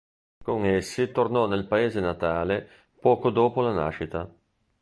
Con essi tornò nel paese natale poco dopo la nascita.